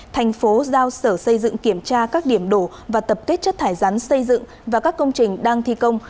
thành phố giao sở xây dựng kiểm tra các điểm đổ và tập kết chất thải rắn xây dựng và các công trình đang thi công